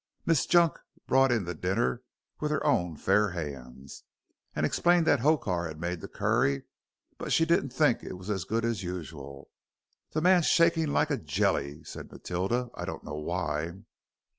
Miss Junk brought in the dinner with her own fair hands, and explained that Hokar had made the curry, but she didn't think it was as good as usual. "The man's shakin' like a jelly," said Matilda. "I don't know why."